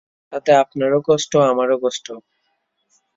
তাতে আপনারও কষ্ট, আমারও কষ্ট।